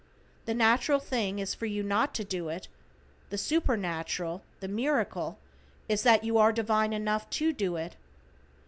The natural thing is for you not to do it, the supernatural, the miracle, is that you are divine enough to do it.